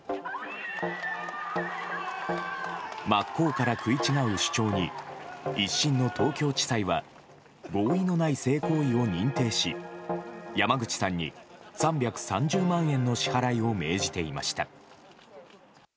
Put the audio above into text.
真っ向から食い違う主張に１審の東京地裁は合意のない性行為を認定し山口さんに３３０万円の支払いを命じていました。